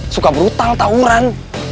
suka brutal tauran